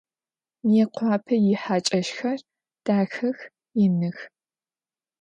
Мыекъуапэ ихьакӏэщхэр дахэх, иных.